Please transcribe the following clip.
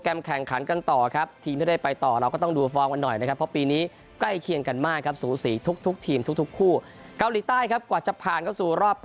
รอบ๑๖ทีมสุดท้ายครับ